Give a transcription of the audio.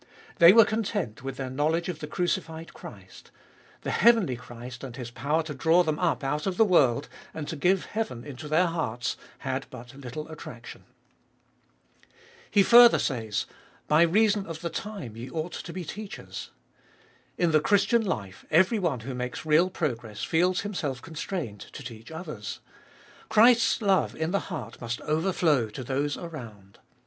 They were content with their knowledge of the crucified Christ; the heavenly Christ, and His power to draw Gbe fcolfest of ail 197 them up out of the world, and to give heaven into their hearts, had but little attraction. He further says, By reason of the time ye ought to be teachers. In the Christian life every one who makes real progress feels himself constrained to teach others. Christ's love in the heart must overflow to those around.